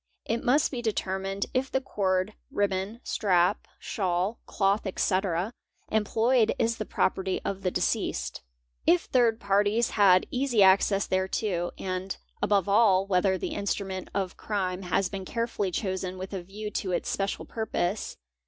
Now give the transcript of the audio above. It must be determined if the cord, bbon, strap, shawl, cloth, etc., employed is the property of the deceased, "5 81 b> 642 BODILY INJURIES if third parties had easy access thereto, and above all, whether the instru ment of crime has been carefully chosen with a view to its special purpose.